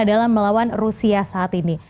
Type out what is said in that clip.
dalam melawan rusia saat ini